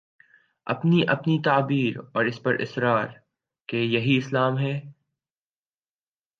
اپنی اپنی تعبیر اور اس پر اصرار کہ یہی اسلام ہے۔